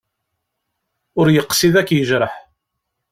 Ur yeqsid ad k-yejreḥ.